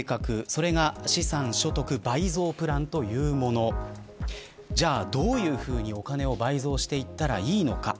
それが、資産所得倍増プランというものなんですがじゃあ、どういうふうにお金を倍増させていったらいいのか。